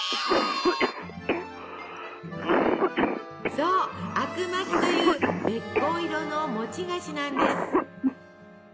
そう「あくまき」というべっこう色の餅菓子なんです。